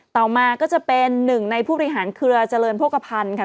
ต่อมาก็จะเป็นหนึ่งในผู้บริหารเครือเจริญโภคภัณฑ์ค่ะ